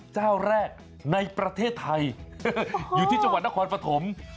เจ้าแรกในประเทศไทยอยู่ที่จังหวัดนครปฐม